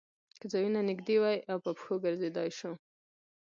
که ځایونه نږدې وي او په پښو ګرځېدای شو.